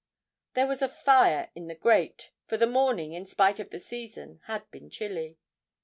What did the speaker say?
There was a fire in the grate, for the morning, in spite of the season, had been chilly.